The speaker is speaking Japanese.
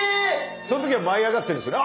その時は舞い上がってるんですよね